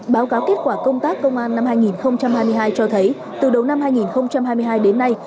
báo cáo kết quả công tác công an năm hai nghìn hai mươi hai cho thấy từ đầu năm hai nghìn hai mươi hai đến nay